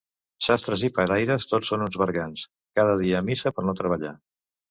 Sastres i paraires tots són uns bergants; cada dia a missa per no treballar.